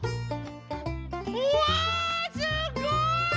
うわすごい！